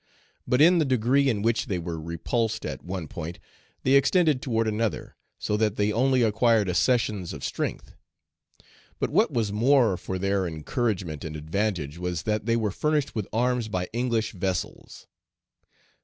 But in the degree in which they were repulsed at one point, they extended toward another, so that they only acquired accessions of strength. But what was more for their encouragement and advantage was that they were furnished with arms by English vessels.